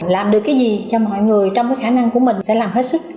làm được cái gì cho mọi người trong cái khả năng của mình sẽ làm hết sức